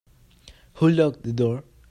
Who locked the door?